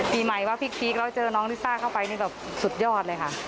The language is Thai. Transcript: ปีใหม่ว่าพี่พีคแล้วเจอน้องลิซ่าเข้าไปนี่แบบสุดยอดเลยค่ะ